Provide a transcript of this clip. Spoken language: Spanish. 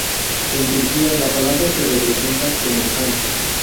En Turquía la palabra se representa como "han".